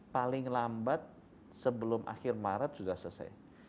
paling lambat sebelum akhir maret sudah selesai